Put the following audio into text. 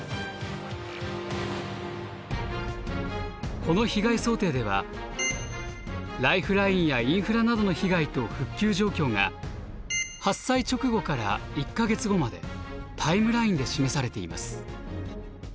この被害想定ではライフラインやインフラなどの被害と復旧状況が発災直後から１か月後までタイムラインで示されています。